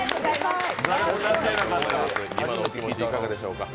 今のお気持ち、いかがでしょうか？